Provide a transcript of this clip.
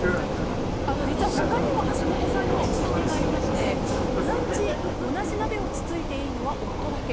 実は他にも橋本さんには掟がありまして同じ鍋をつついていいのは夫だけ。